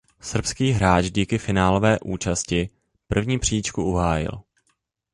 Srbský hráč díky finálové účasti první příčku uhájil.